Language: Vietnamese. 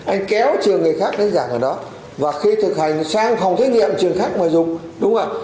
anh kéo trường người khác đến giảng ở đó và khi thực hành sang phòng thí nghiệm trường khác mà dùng đúng không ạ